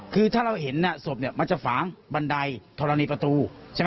คือถ้าเราเห็นสบมันจะฝางบันไดธรณีประตู